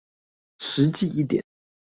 實際一點